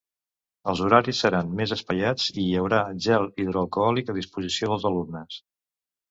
Els horaris seran més espaiats i hi haurà gel hidroalcohòlic a disposició dels alumnes.